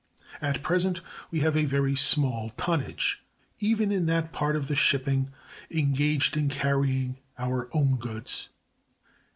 At present we have a very small tonnage even in that part of the shipping engaged in carrying our own goods.